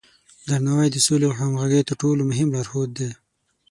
درناوی د سولې او همغږۍ تر ټولو مهم لارښود دی.